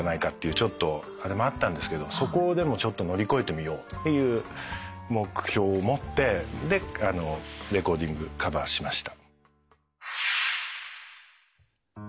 ちょっとあれもあったんですけどそこをでも乗り越えてみようっていう目標を持ってレコーディングカバーしました。